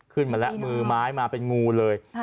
ขึ้นมาแล้วมือไม้มาเป็นงูเลย